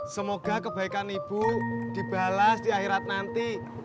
semoga kebaikan ibu dibalas di akhirat nanti